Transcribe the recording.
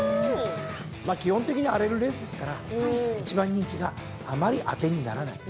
基本的には荒れるレースですから１番人気があまり当てにならない。